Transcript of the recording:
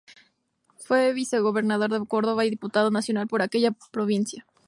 Fue Vicegobernador de Córdoba y Diputado Nacional por aquella provincia.